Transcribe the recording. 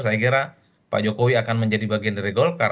saya kira pak jokowi akan menjadi bagian dari golkar